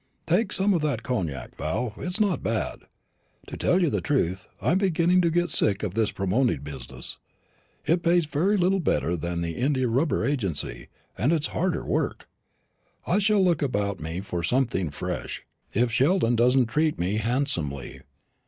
"Try some of that cognac, Val; it's not bad. To tell you the truth, I'm beginning to get sick of this promoting business. It pays very little better than the India rubber agency, and it's harder work. I shall look about me for something fresh, if Sheldon doesn't treat me handsomely.